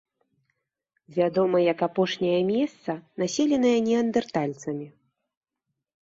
Вядома як апошняе месца, населенае неандэртальцамі.